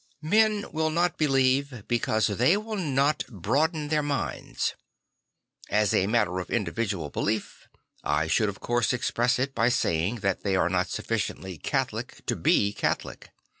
Men will not believe because they will not broaden their minds. As a matter of individual belief, I should of course express it by saying that they are not sufficiently catholic to be Catholic.